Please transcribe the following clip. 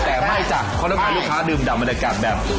แต่ไม่จ้ะเขาต้องการลูกค้าดื่มดำบรรยากาศแบบ